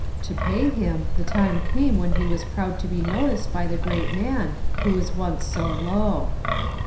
To pay him, the time came when he was proud to be noticed by the great man who was once so low."